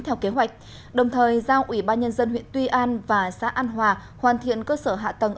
theo kế hoạch đồng thời giao ủy ban nhân dân huyện tuy an và xã an hòa hoàn thiện cơ sở hạ tầng